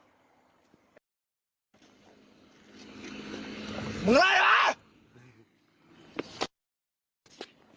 เฮ้ยมึงไหลมึงไหล